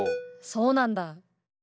そうなんだ。